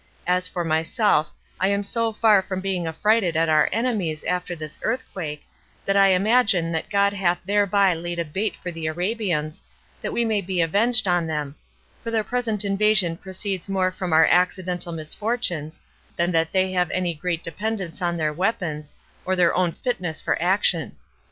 As for myself, I am so far from being affrighted at our enemies after this earthquake, that I imagine that God hath thereby laid a bait for the Arabians, that we may be avenged on them; for their present invasion proceeds more from our accidental misfortunes, than that they have any great dependence on their weapons, or their own fitness for action.